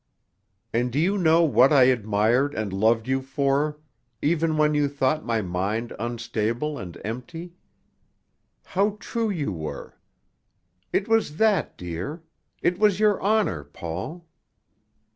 "And do you know what I admired and loved you for, even when you thought my mind unstable and empty? How true you were! It was that, dear. It was your honour, Paul.